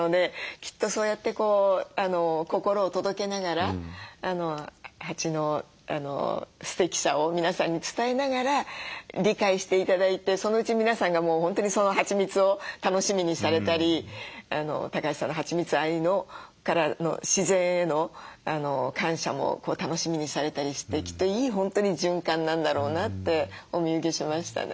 きっとそうやって心を届けながら蜂のすてきさを皆さんに伝えながら理解して頂いてそのうち皆さんがもう本当にそのはちみつを楽しみにされたり橋さんのはちみつ愛からの自然への感謝も楽しみにされたりしてきっといい本当に循環なんだろうなってお見受けしましたね。